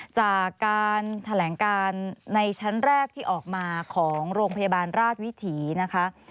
จากการแถลงการในชั้นแรกที่ออกมาของโรงพยาบาลราชวิถีนะคะ